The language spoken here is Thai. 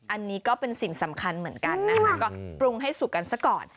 อันนี้ก็เป็นสิ่งสำคัญเหมือนกันนะคะก็ปรุงให้สุกกันซะก่อน